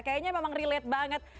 kayaknya memang relate banget